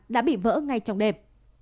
đã bị vỡ ngay trong đẹp